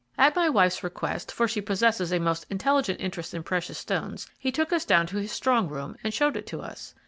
At my wife's request, for she possesses a most intelligent interest in precious stones, he took us down to his strong room, and showed it to us.